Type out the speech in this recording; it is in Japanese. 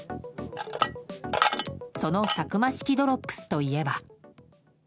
そのサクマ式ドロップスといえば。